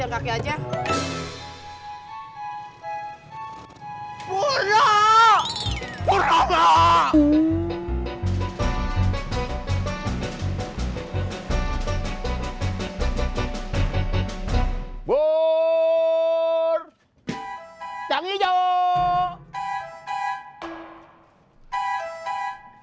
pakai aja pura pura mbak